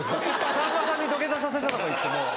さんまさんに土下座させたとかいってもう。